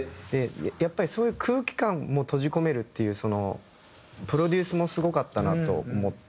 やっぱりそういう空気感も閉じ込めるっていうプロデュースもすごかったなと思って。